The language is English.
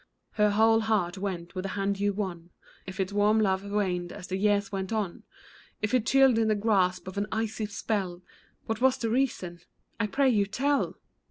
Her whole heart went with the hand you won ; If its warm love waned as the years went on, If it chilled in the grasp of an icy spell, What was the reason ? I pray you tell